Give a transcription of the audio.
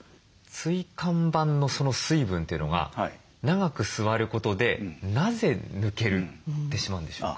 椎間板のその水分というのが長く座ることでなぜ抜けてしまうんでしょうか？